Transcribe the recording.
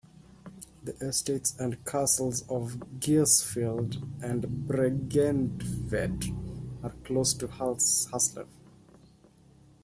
The estates and castles of Gisselfeld and Bregentved are close to Haslev.